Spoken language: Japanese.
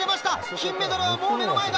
金メダルはもう目の前だ。